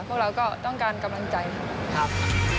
พวกเราก็ต้องการกำลังใจครับ